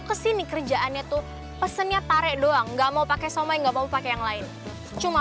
kesini kerjaannya tuh pesennya parek doang nggak mau pakai sama enggak mau pakai yang lain cuma